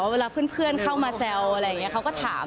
เวลาเพื่อนเข้ามาแซวอะไรอย่างนี้เขาก็ถาม